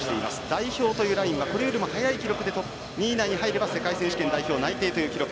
代表というラインはこれよりも速い記録で２位以内に入れば世界選手権代表内定という記録。